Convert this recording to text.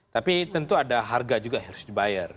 tapi tentu ada harga juga harus dibayar